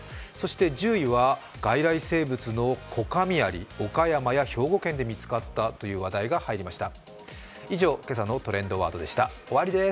１０位は外来生物のコカミアリ、岡山や兵庫県で見つかったというワードが入りました。